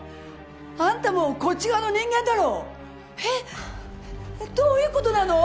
あんたもこっち側の人間だろえっえっどういうことなの？